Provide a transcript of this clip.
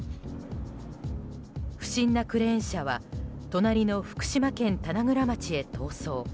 不審なクレーン車は隣の福島県棚倉町へ逃走。